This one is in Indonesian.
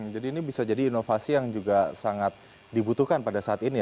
jadi ini bisa jadi inovasi yang juga sangat dibutuhkan pada saat ini